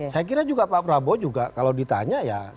saya kira juga pak prabowo juga kalau ditanya ya